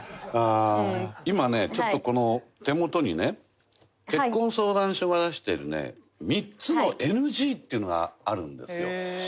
今ねちょっとこの手元にね結婚相談所が出してるね３つのＮＧっていうのがあるんですよ。